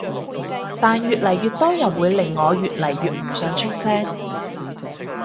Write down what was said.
但越嚟越多人會令我越嚟越唔想出聲